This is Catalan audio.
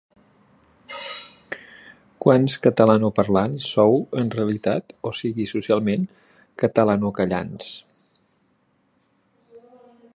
Quants catalanoparlants sou en realitat, o sigui, socialment, 'catalanocallants'...?